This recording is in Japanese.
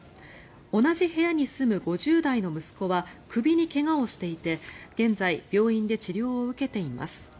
同じ部屋に住む５０代の息子は首に怪我をしていて現在病院で治療を受けています。